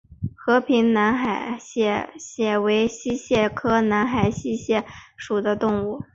和平南海溪蟹为溪蟹科南海溪蟹属的动物。